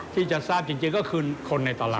ที่จะทราบจริงก็คือคนในตลาด